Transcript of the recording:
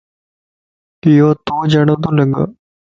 يو تو جھڙو تو لڳ